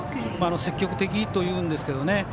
積極的というんですけどね。